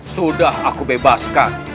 sudah aku bebaskan